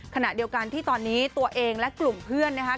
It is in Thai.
ขณะเดียวกันที่ตอนนี้ตัวเองและกลุ่มเพื่อนนะคะ